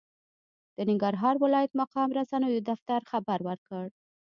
د ننګرهار ولايت مقام رسنیو دفتر خبر ورکړ،